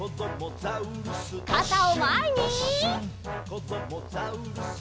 「こどもザウルス